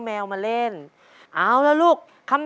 ตัวเลือกที่สอง๘คน